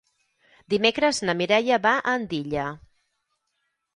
Dimecres na Mireia va a Andilla.